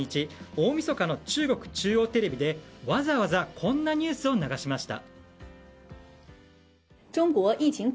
大みそかの中国中央テレビでわざわざこんなニュースを流しました。